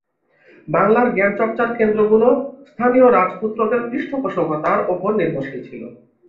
বাংলার জ্ঞানচর্চার কেন্দ্রগুলো স্থানীয় রাজপুত্রদের পৃষ্ঠপোষকতার ওপর নির্ভরশীল ছিল।